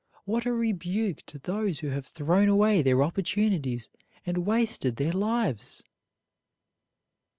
What a rebuke to those who have thrown away their opportunities and wasted their lives!